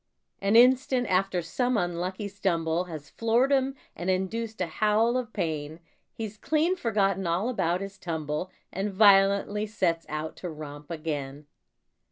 An instant after some unlucky stumble Has floored him and induced a howl of pain, He's clean forgotten all about his tumble And violently sets out to romp again.